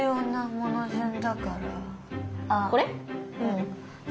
うん。